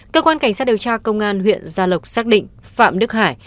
cơ quan cảnh sát điều tra công an huyện gia lộc xác định phạm đức hải